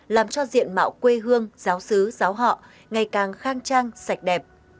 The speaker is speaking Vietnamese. làm cho diện mạo quê hương giáo sứ giáo họ ngày càng khang trang sạch đẹp